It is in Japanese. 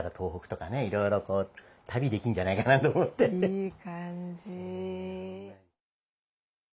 いい感じ。